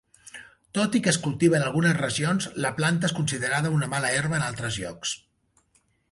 Tot i que es cultiva en algunes regions, la planta és considerada una mala herba en altres llocs.